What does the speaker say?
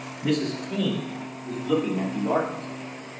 Mrs. Taine was looking at the artist.